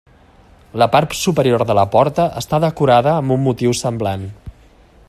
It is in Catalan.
La part superior de la porta està decorada amb un motiu semblant.